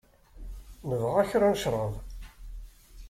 Nebɣa kra n cṛab.